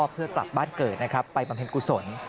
เพื่อกลับบ้านเกิดไปประเภทกุศล